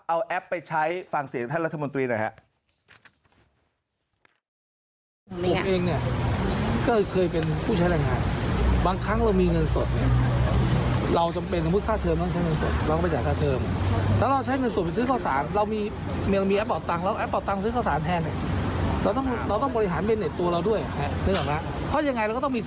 เอาแอปไปใช้ฟังเสียงท่านรัฐมนตรีหน่อยครับ